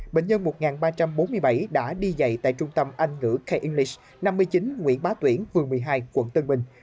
bệnh nhân một ba trăm bốn mươi bảy đã đi dạy tại trung tâm anh ngữ k english năm mươi chín nguyễn bá tuyển phường một mươi hai quận tân bình